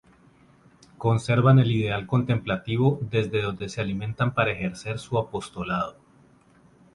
Conservan el ideal contemplativo, desde donde se alimentan para ejercer su apostolado.